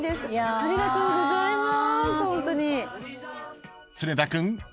ありがとうございます。